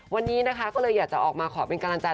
วันนี้นะคะก็เลยอยากจะออกมาขอเป็นกำลังใจ